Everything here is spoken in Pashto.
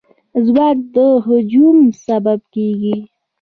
ځواک د هجوم سبب کېږي.